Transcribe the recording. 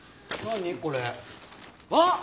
あっ！